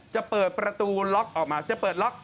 จะเปิดประตูล็อกออกมาจะเปิดล็อก